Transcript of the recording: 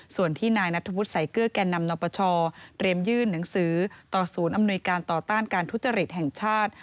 ส่วนที่นายนัทธวุฒิสายเกลือแก่นำนปชเตรียมยื่นหนังสือต่อศูนย์อำนวยการต่อต้านการทุจริตแห่งชาติ